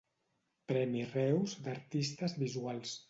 Premi Reus d'Artistes Visuals.